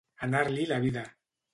Anar-l'hi la vida.